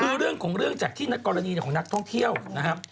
คือเรื่องของเรื่องจากที่ในกรณีของนักท่องเที่ยวนะครับ